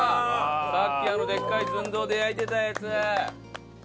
さっきあのでっかいずんどうで焼いてたやつ。